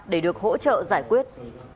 để được hỗ trợ giải quyết